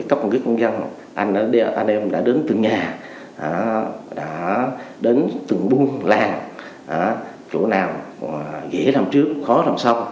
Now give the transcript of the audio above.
anh em đã đến từng nhà đã đến từng buôn làng chỗ nào dễ làm trước khó làm sau